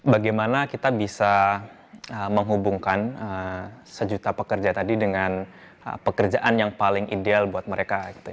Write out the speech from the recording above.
bagaimana kita bisa menghubungkan sejuta pekerja tadi dengan pekerjaan yang paling ideal buat mereka